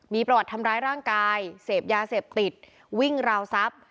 มีประวัติทำร้ายร่างกายเสพยาเสพติดวิ่งราวทรัพย์